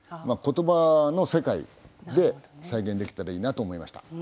まあ言葉の世界で再現できたらいいなと思いました。